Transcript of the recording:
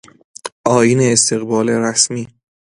آیین استقبال رسمی